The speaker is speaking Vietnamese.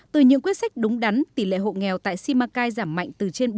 từ những quyết sách đúng đắn tỷ lệ hộ nghèo tại simacai giảm mạnh từ trên ba mươi